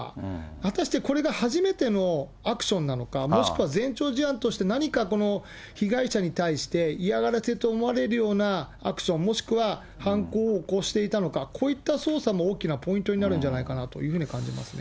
果たしてこれが初めてのアクションなのか、もしくは前兆事案として何かこの被害者に対して嫌がらせと思われるようなアクション、もしくは犯行を起こしていたのか、こういった捜査も大きなポイントになるんじゃないかなと感じますね。